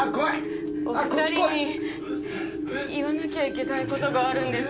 お二人に言わなきゃいけないことがあるんです。